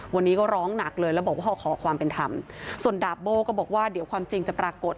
วันนี้ก็ร้องหนักเลยแล้วบอกว่าเขาขอความเป็นธรรมส่วนดาบโบ้ก็บอกว่าเดี๋ยวความจริงจะปรากฏ